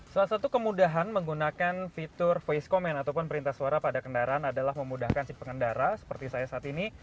salah satu kemudahan menggunakan fitur voice comment ataupun perintah suara pada kendaraan adalah memudahkan si pengendara seperti saya saat ini